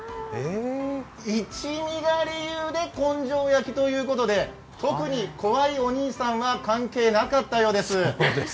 一味が理由で、こんじょう焼きということで、特に怖いお兄さんは関係なかったようです。